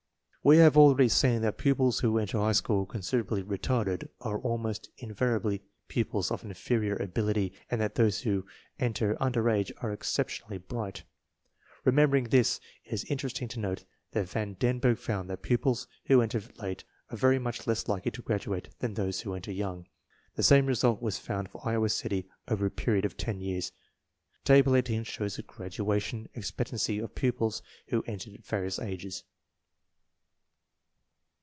We have already seen that pupils who enter high school considerably retarded are almost in variably pupils of inferior ability, and that those who enter under age are exceptionally bright. Remember ing this, it is interesting to note that Van Denburg found that pupils who enter late are very much less likely to graduate than those who enter young. The same result was found for Iowa City over a period of ten years. 1 Table 18 shows the "graduation expect ancy" of pupils who enter at various ages.